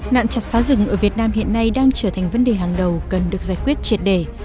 nạn chặt phá rừng ở việt nam hiện nay đang trở thành vấn đề hàng đầu cần được giải quyết triệt đề